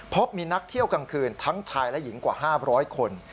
พบมีนักเที่ยวกลางคืนทั้งชายและหญิงกว่า๕๐๐คน